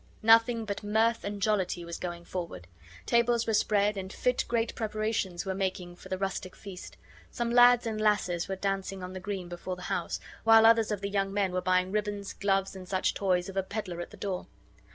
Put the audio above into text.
Nothing but mirth and jollity was going forward. Tables were spread and fit great preparations were making for the rustic feast. Some lads and lasses were dancing on the green before the house, while others of the young men were buying ribands, gloves, and such toys of a peddler at the door.